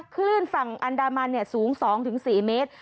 คลื่นฝั่งอันดามันสูง๒๔เมตร